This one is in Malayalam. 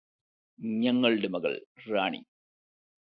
ഞങ്ങളുടെ മകൾ റാണി